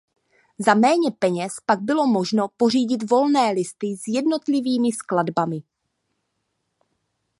Za méně peněz pak bylo možno pořídit volné listy s jednotlivými skladbami.